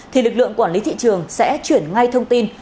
thì lực lượng quản lý thị trường sẽ chuyển ngay thông tin